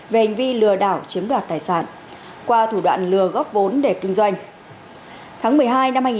về hành vi lừa đảo chiếm đoạt tài sản qua thủ đoạn lừa góp vốn để kinh doanh